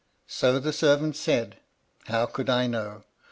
*<* So the servants said. How could I know